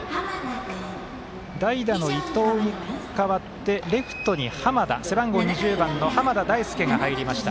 代打の伊藤に代わってレフトに背番号２０の濱田大輔が入りました。